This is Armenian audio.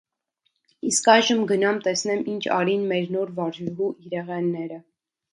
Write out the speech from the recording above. - Իսկ այժմ գնամ տեսնեմ ինչ արին մեր նոր վարժուհու իրեղենները: